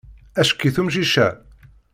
Acki-t umcic-a.